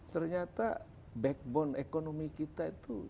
ternyata backbone ekonomi kita itu